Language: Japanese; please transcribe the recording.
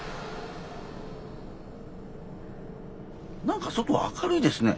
何か外明るいですね。